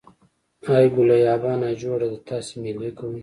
ای ګوليه ابا نا جوړه دی تاسې مېلې کوئ.